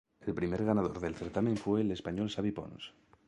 El primer ganador del certamen fue el español Xavi Pons.